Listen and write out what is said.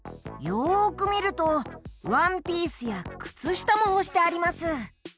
よくみるとワンピースやくつしたもほしてあります。